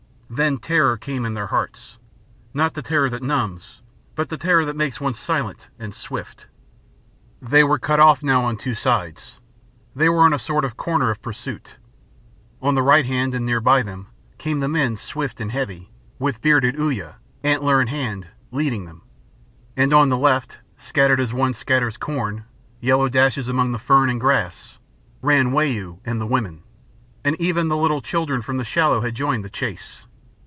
Then terror came in their hearts, not the terror that numbs, but the terror that makes one silent and swift. They were cut off now on two sides. They were in a sort of corner of pursuit. On the right hand, and near by them, came the men swift and heavy, with bearded Uya, antler in hand, leading them; and on the left, scattered as one scatters corn, yellow dashes among the fern and grass, ran Wau and the women; and even the little children from the shallow had joined the chase.